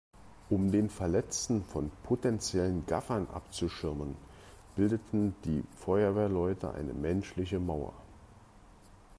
Um den Verletzten von potenziellen Gaffern abzuschirmen, bildeten die Feuerwehrleute eine menschliche Mauer.